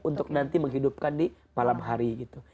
untuk nanti menghidupkan di malam hari gitu